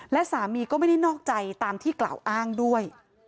และสามีก็ไม่ได้นอกใจตามที่กล่าวอ้างด้วย